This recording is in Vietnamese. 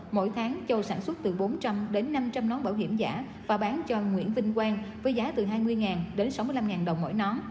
mỗi tháng châu sản xuất từ bốn trăm linh đến năm trăm linh nón bảo hiểm giả và bán cho nguyễn vinh quang với giá từ hai mươi đến sáu mươi năm đồng mỗi nón